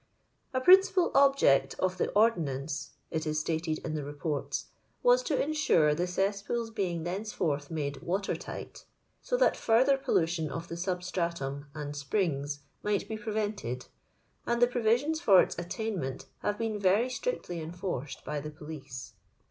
*• A principal object of the ordonnance it is stated in the Beports, "was to eiisure the cesspools being thenceforth made water tight ; 80 tliat further pollution of the substratum and springs might be prevented ; and the provisions for its attainment have betn very strictly enforced by the police.